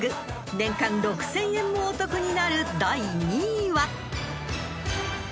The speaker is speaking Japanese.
年間６，０００円もお得になる第２位は？］